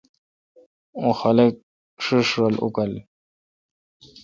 اوں خلق ݭݭ رل اوکاں